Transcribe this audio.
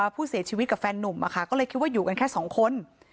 ผู้เสียชีวิตกับแฟนนุ่มก็เลยคิดว่าอยู่กันแค่สองคน